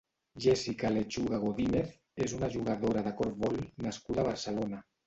Jéssica Lechuga Godínez és una jugadora de corfbol nascuda a Barcelona.